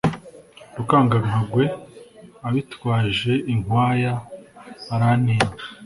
Rukangankagwe abitwaje inkwaya barantinya